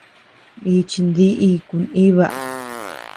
Nichin dí iku nʼiba.